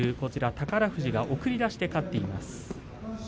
宝富士が送り出しで勝っています。